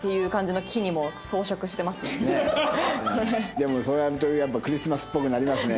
でもそうやるとやっぱクリスマスっぽくなりますね。